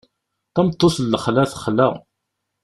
Tameṭṭut n lexla texla.